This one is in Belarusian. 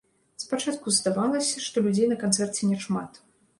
Спачатку здавалася, што людзей на канцэрце няшмат.